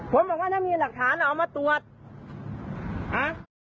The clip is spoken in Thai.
ผมบอกว่าถ้ามีหลักฐานเอามาตรวจอ่ะ